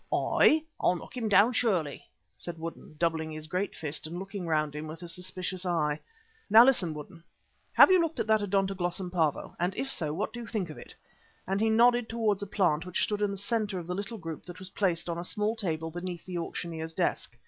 "Aye, I'll knock him down surely," said Woodden, doubling his great fist and looking round him with a suspicious eye. "Now listen, Woodden. Have you looked at that Odontoglossum Pavo, and if so, what do you think of it?" and he nodded towards a plant which stood in the centre of the little group that was placed on the small table beneath the auctioneer's desk.